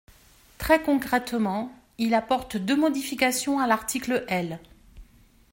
Très concrètement, il apporte deux modifications à l’article L.